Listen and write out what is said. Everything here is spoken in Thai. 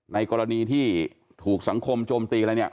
ในกรณีที่ถูกสังคมโจมตีอะไรเนี่ย